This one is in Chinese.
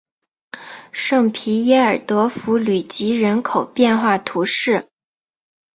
圣皮耶尔德弗吕吉人口变化图示